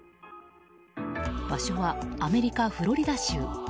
場所はアメリカ・フロリダ州。